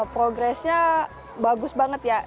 progresnya bagus banget ya